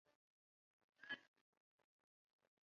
干线的轨道与中央本线和青梅线通过立川站连接着。